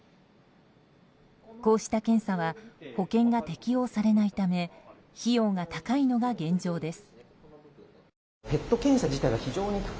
こうした検査は保険が適用されないため費用が高いのが現状です。